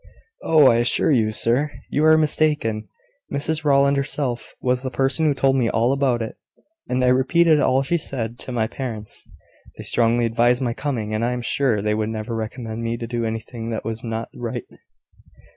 "Oh, I assure you, sir, you are mistaken. Mrs Rowland herself was the person who told me all about it; and I repeated all she said to my parents. They strongly advised my coming; and I am sure they would never recommend me to do anything that was not right."